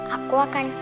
aku akan cari tahu